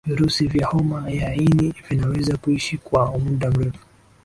virusi vya homa ya ini vinaweza kuishi kwa muda mrefu